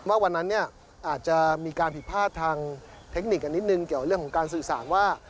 ว่าวันนั้นเนี่ยอาจจะมีการผิดพลาดทางเทคนิคกันนิดนึงเกี่ยวกับเรื่องของการสื่อสารว่า